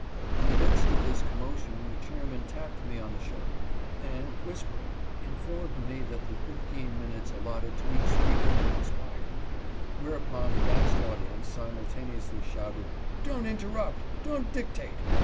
]" In the midst of this commotion the chairman tapped me on the shoulder, and, whispering, informed me that the fifteen minutes allotted to each speaker had expired ; whereupon the vast audience simultaneously shouted :" Don't interrupt !"" Don't dictate